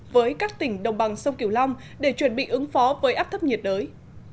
với các tỉnh đồng bằng sông kiều long để chuẩn bị ứng phó với áp thấp nhiệt đới